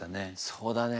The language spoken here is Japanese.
そうだね。